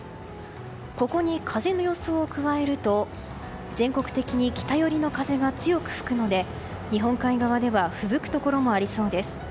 ここに風の予想を加えると全国的に北寄りの風が強く吹くので日本海側ではふぶくところもありそうです。